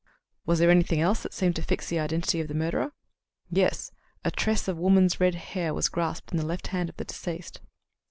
"Was there anything else that seemed to fix the identity of the murderer?" "Yes. A tress of a woman's red hair was grasped in the left hand of the deceased."